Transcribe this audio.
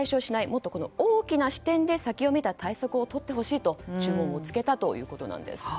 もっと大きな視点で先を見た対策をとってほしいと注文を付けたということです。